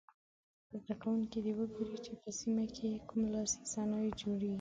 زده کوونکي دې وګوري چې په سیمه کې یې کوم لاسي صنایع جوړیږي.